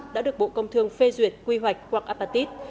đã được bộ công thương phê duyệt quy hoạch quạng apatit